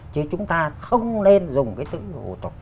chứ chúng ta không nên dùng cái tự hủ tục